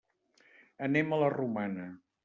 Anem a la Romana.